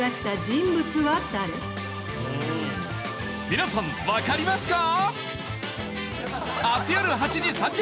皆さんわかりますか？